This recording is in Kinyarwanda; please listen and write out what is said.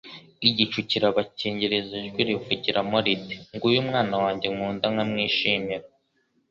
igicu kirabakingiriza ijwi rikivugiramo riti: "Nguyu Umwana wanjye nkunda nkamwishimira